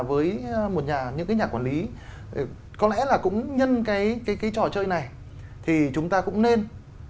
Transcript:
với một nhà những cái nhà quản lý có lẽ là cũng nhân cái trò chơi này thì chúng ta cũng nên